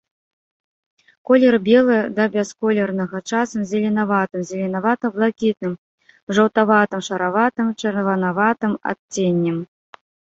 Колер белы да бясколернага, часам з зеленаватым, зеленевата-блакітным, жаўтаватым, шараватым, чырванаватым адценнем.